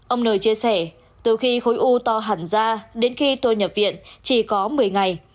ông nời chia sẻ từ khi khối u to hẳn ra đến khi tôi nhập viện chỉ có một mươi ngày